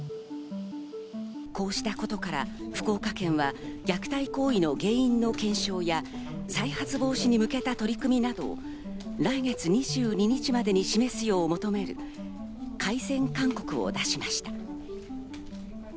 こうしたことから福岡県は虐待行為の原因の検証や再発防止に向けた取り組みなど、来月２２日までに示すよう求める改善勧告を出しました。